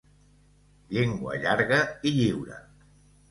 Llengua llarga i lliure.